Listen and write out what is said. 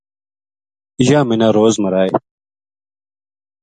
یاہ منا روز مرائے